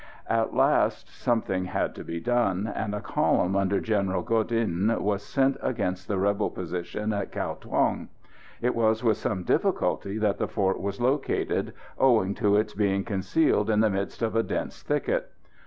At last, something had to be done, and a column under General Godin was sent against the rebel position at Cao Thuong. It was with some difficulty that the fort was located, owing to it being concealed in the midst of a dense thicket.